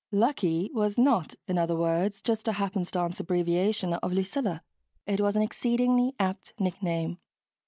"Lucky" was not, in other words, just a happenstance abbreviation of "Lucilla" it was an exceedingly apt nickname.